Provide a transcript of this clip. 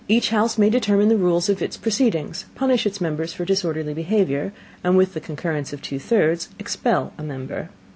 Each house may determine the Rules of its Proceedings, punish its Members for disorderly Behavior, and, with the Concurrence of two thirds, expel a Member.